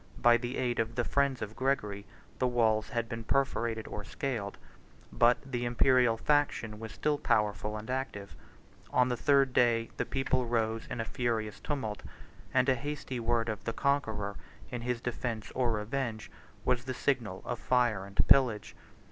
By the aid of the friends of Gregory, the walls had been perforated or scaled; but the Imperial faction was still powerful and active; on the third day, the people rose in a furious tumult; and a hasty word of the conqueror, in his defence or revenge, was the signal of fire and pillage.